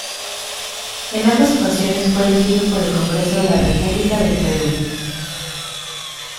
En ambas ocasiones fue elegido por el Congreso de la República del Perú.